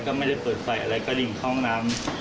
ก็ไม่ได้เปิดไฟอะไรก็ดิ่งเข้าห้องน้ำ